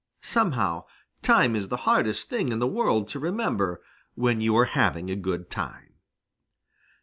Somehow, time is the hardest thing in the world to remember, when you are having a good time.